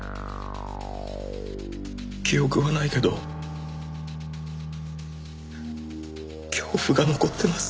記憶はないけど恐怖が残ってます。